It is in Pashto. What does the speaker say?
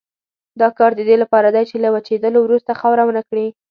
دا کار د دې لپاره دی چې له وچېدلو وروسته خاوره ونه کړي.